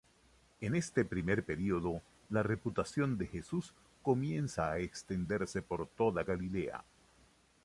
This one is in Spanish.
En este primer período, la reputación de Jesús comienza a extenderse por toda Galilea.